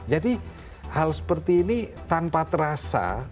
jadi hal seperti ini tanpa terasa